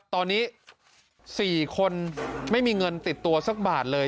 ตอนนี้๔คนไม่มีเงินติดตัวสักบาทเลย